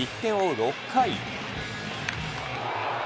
６回。